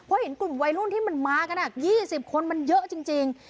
เพราะเห็นกลุ่มวัยรุ่นที่มันมากัน๒๐คนมันเยอะจริง